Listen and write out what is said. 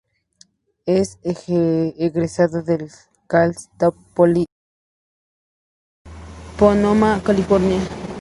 Es egresado del Cal State Poly de Pomona, California.